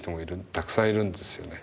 たくさんいるんですよね。